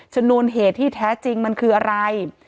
ชนวนเหตุที่แท้จริงมันคืออะไร